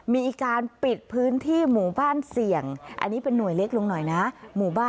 มีการปิดพื้นที่หมู่บ้านเสี่ยงอันนี้เป็นหน่วยเล็กลงหน่อยนะ